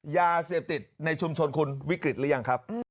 ยาเสพติดในชุมชนคุณวิกฤตหรือยังครับ